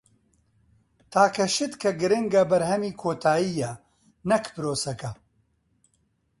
تاکە شت کە گرنگە بەرهەمی کۆتایییە نەک پرۆسەکە.